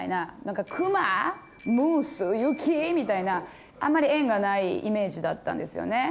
みたいなあんまり縁がないイメージだったんですよね。